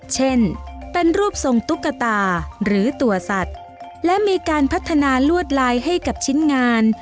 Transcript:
เช่นเป็นรูปทรงตุ๊กตาหรือตัวสัตว์และมีการพัฒนาลวดลายให้กับชิ้นงาน